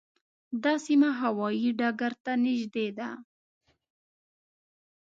دا سیمه هوايي ډګر ته نږدې ده.